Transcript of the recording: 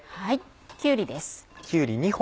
きゅうりです。